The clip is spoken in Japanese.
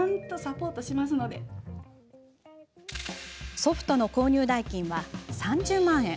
ソフトの購入代金は３０万円。